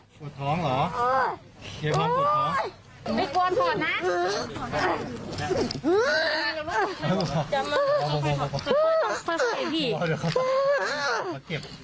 ไม่กลัวขอนะ